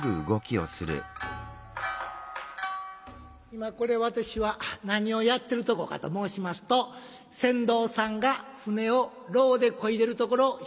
今これ私は何をやってるとこかと申しますと船頭さんが船を櫓でこいでるところを表現してるんでございます。